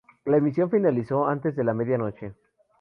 La emisión finalizó antes de la medianoche.